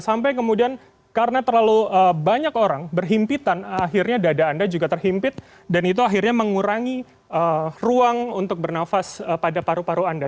sampai kemudian karena terlalu banyak orang berhimpitan akhirnya dada anda juga terhimpit dan itu akhirnya mengurangi ruang untuk bernafas pada paru paru anda